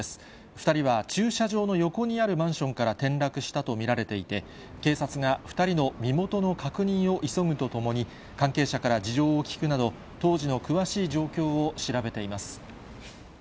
２人は駐車場の横にあるマンションから転落したと見られていて、警察が２人の身元の確認を急ぐとともに、関係者から事情を聴くなど、当時の詳しい状況を調べています。